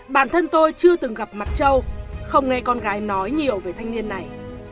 bản thân tôi chưa từng gặp mặt châu không nghe con gái nói nhiều về thanh niên này